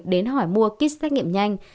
đến hỏi mua kit xét nghiệm nhanh